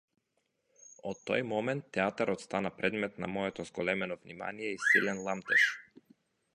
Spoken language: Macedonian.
Од тој момент театарот стана предмет на моето зголемено внимание и силен ламтеж.